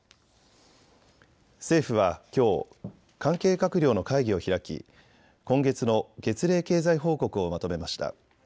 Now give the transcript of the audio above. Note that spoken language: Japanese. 政府はきょう関係閣僚の会議を開き今月の月例経済報告をまとめました。